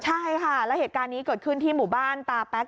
ใช่ค่ะแล้วเหตุการณ์นี้เกิดขึ้นที่หมู่บ้านตาแป๊ก